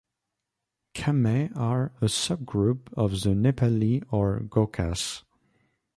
Kamais are a sub-group of the Nepali or Gorkhas.